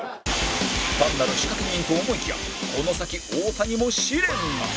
単なる仕掛け人と思いきやこの先太田にも試練が